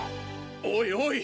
おいおい。